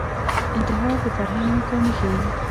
انتحار د فرهنګ ناکامي ښيي